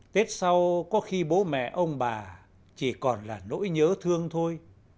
tết sau có khi bố mẹ ông bà chỉ còn là nỗi nhớ thương thôi